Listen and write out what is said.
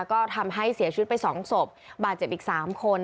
ก็ทำให้เสียชุดไปสองศพบาดเจ็บอีกสามคน